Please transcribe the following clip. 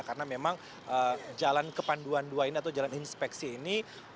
karena memang jalan ke panduan dua ini atau jalan inspeksi ini